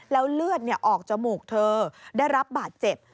แล้วเลือดออกจมูกเธอได้รับบาดเจ็บ